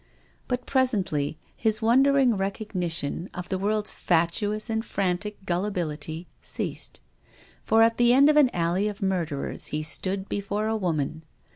But presently his wondering recog nition of the world's fatuous and frantic gulli bility ceased. I'or at the end of an alley of murderers he stood before a woman.